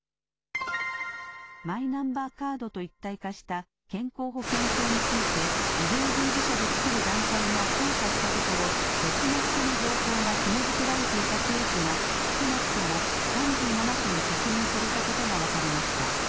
マイナンバーカードと一体化した健康保険証について医療従事者で作る団体が調査したところ、別の人の情報がひも付けられていたケースが少なくとも３７件確認されたことが分かりました。